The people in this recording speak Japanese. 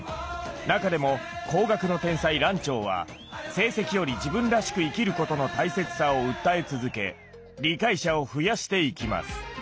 中でも工学の天才ランチョーは成績より自分らしく生きることの大切さを訴え続け理解者を増やしていきます。